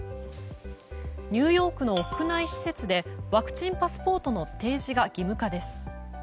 ニューヨークの屋内施設でワクチンパスポートの提示が義務化です。